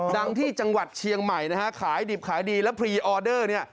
ที่จังหวัดเชียงใหม่นะฮะขายดิบขายดีแล้วพรีออเดอร์เนี่ย